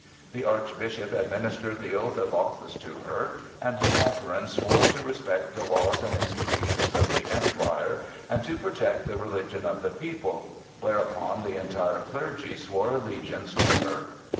The Archbishop administered the oath of office to her, and Catherine swore to respect the laws and institutions of the Empire and to protect the religion of the people, whereupon the entire clergy swore allegiance to her.